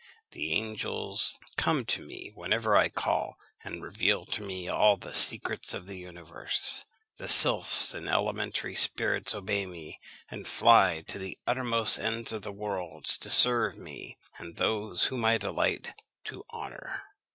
The angels come to me whenever I call, and reveal to me all the secrets of the universe. The sylphs and elementary spirits obey me, and fly to the uttermost ends of the world to serve me, and those whom I delight to honour."